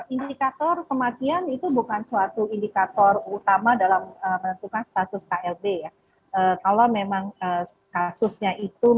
indikator kematian itu bukan suatu indikator utama dalam menentukan status klb